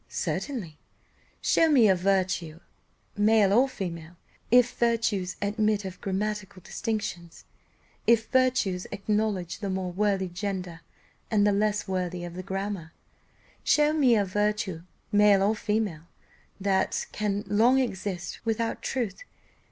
"Certainly, show me a virtue, male or female if virtues admit of grammatical distinctions, if virtues acknowledge the more worthy gender and the less worthy of the grammar, show me a virtue male or female that can long exist without truth.